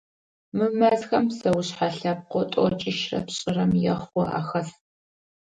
Мы мэзхэм псэушъхьэ лъэпкъэу тӏокӏищрэ пшӏырэм ехъу ахэс.